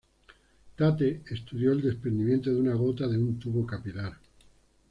Tate estudió el desprendimiento de una gota de un tubo capilar.